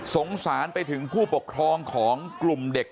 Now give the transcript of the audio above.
สงสารไปถึงผู้ปกครองของกลุ่มเด็ก